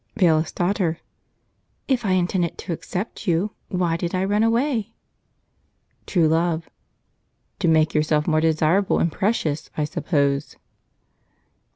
Bailiff's Daughter. "If I intended to accept you, why did I run away?" True Love. "To make yourself more desirable and precious, I suppose."